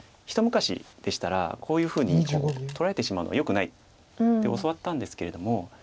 一昔でしたらこういうふうに取られてしまうのはよくないって教わったんですけれども。